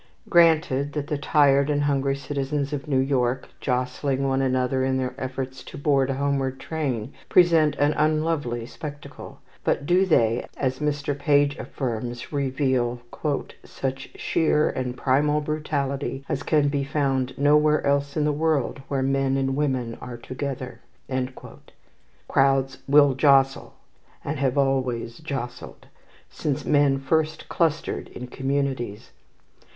Granted that the tired and hungry citizens of New York, jostling one another in their efforts to board a homeward train, present an unlovely spectacle; but do they, as Mr. Page affirms, reveal "such sheer and primal brutality as can be found nowhere else in the world where men and women are together?" Crowds will jostle, and have always jostled, since men first clustered in communities.